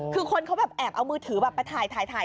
คือคนเขาแอบเอามือถือไปถ่าย